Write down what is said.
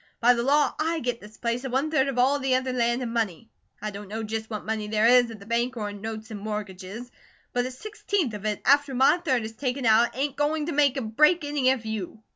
By the law, I get this place and one third of all the other land and money. I don't know just what money there is at the bank or in notes and mortgages, but a sixteenth of it after my third is taken out ain't going to make or break any of you.